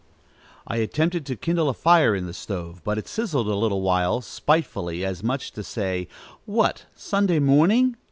I attempted to kindle a fire in the stove, but it sizzled a little while, spitefully, as much as to say, "What, Sunday morning?